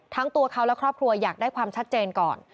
ทั้งตัวเขาและครอบครัวอยากได้ความชัดเจนก่อน